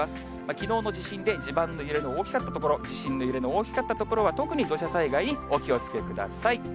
きのうの地震で地盤のゆるみの大きかった所、地震の揺れの大きかった所は、特に土砂災害にお気をつけください。